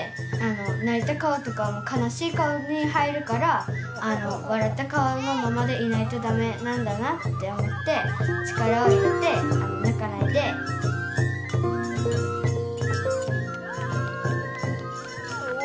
泣いた顔とかは悲しい顔に入るから笑った顔のままでいないとダメなんだなって思って力を入れて泣かないでうお！